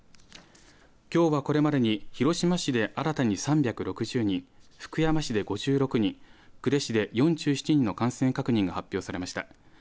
きょうは、これまでに広島市で新たに３６０人福山市で５６人呉市で４７人の感染確認が発表されました。